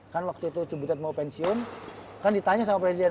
kan waktu itu cibutet mau pensiun kan ditanya sama presiden